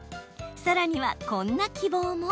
さらに、こんな希望も。